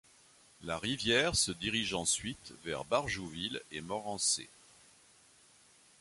La rivière se dirige ensuite vers Barjouville et Morancez.